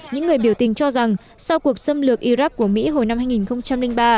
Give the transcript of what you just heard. những người biểu tình cho rằng sau cuộc xâm lược iraq của mỹ hồi năm hai nghìn ba